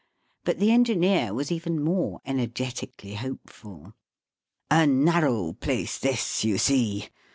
But the engineer was even more ener getically hopeful. " A narrow place this, you see.